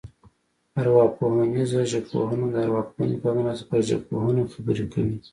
ارواپوهنیزه ژبپوهنه د ارواپوهنې په مرسته پر ژبپوهنه خبرې کوي